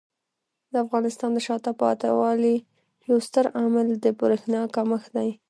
د افغانستان د شاته پاتې والي یو ستر عامل د برېښنا کمښت دی.